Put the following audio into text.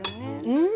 うん！